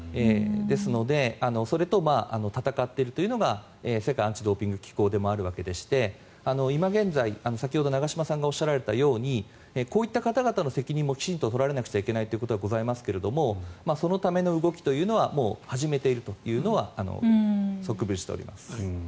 ですのでそれと闘っているというのが世界アンチ・ドーピング機構でもあるわけでして今現在、先ほど長嶋さんがおっしゃられたようにこういった方々の責任もきちんと取られないといけないというのもございますがそのための動きというのは始めているというのは側聞しております。